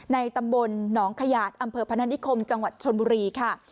ตำบลหนองขยาดอำเภอพนัฐนิคมจังหวัดชนบุรีค่ะ